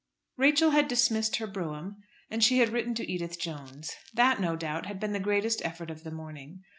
Rachel had dismissed her brougham, and she had written to Edith Jones. That, no doubt, had been the greatest effort of the morning.